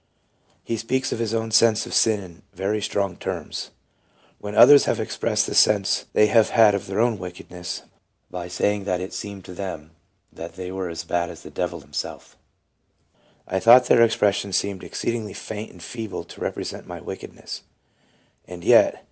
... He speaks of his own sense of sin in very strong terms :" When others have expressed the sense they have had of their own wickedness, by saying that it seemed to them that they were as bad as the devil himself, I thought their expression seemed exceedingly faint and feeble to represent my wickedness, and yet.